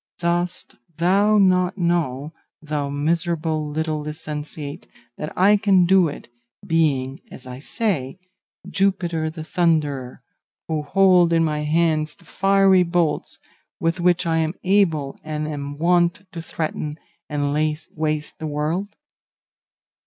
Dost thou not know, thou miserable little licentiate, that I can do it, being, as I say, Jupiter the Thunderer, who hold in my hands the fiery bolts with which I am able and am wont to threaten and lay waste the world?